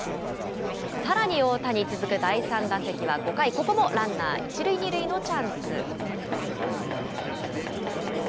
さらに大谷、続く第３打席は５回、ここもランナー１塁２塁のチャンス。